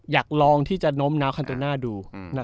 อยากลองที่จะโน้มน้าวคันโตน่าดู